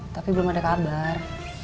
tapi belum ada kabar